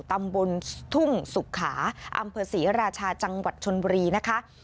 ตำบลทุ่งสุขาอำเภอศรีราชาจังหวัดชนบุรีนะคะ